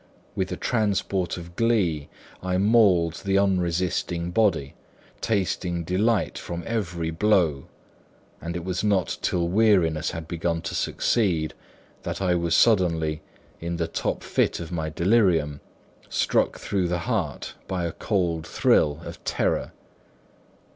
With a transport of glee, I mauled the unresisting body, tasting delight from every blow; and it was not till weariness had begun to succeed, that I was suddenly, in the top fit of my delirium, struck through the heart by a cold thrill of terror.